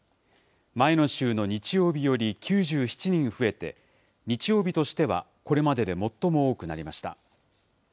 前の週の日曜日より、９７人増えて、日曜日としてはこれまでで最も多くなりました。